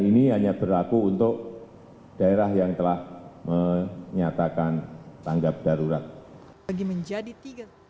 ini yang diperlukan untuk daerah yang telah menyatakan tanggap darurat